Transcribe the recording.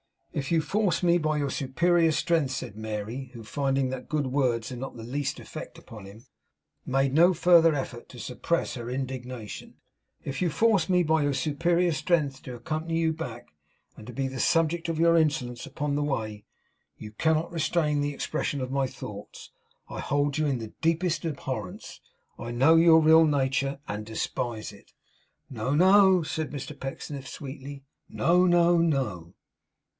'If you force me by your superior strength,' said Mary, who finding that good words had not the least effect upon him, made no further effort to suppress her indignation; 'if you force me by your superior strength to accompany you back, and to be the subject of your insolence upon the way, you cannot constrain the expression of my thoughts. I hold you in the deepest abhorrence. I know your real nature and despise it.' 'No, no,' said Mr Pecksniff, sweetly. 'No, no, no!